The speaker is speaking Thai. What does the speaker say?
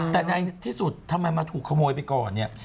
แต่ในที่สุดทำไมมาถูกขโมยไปก่อนเนี่ย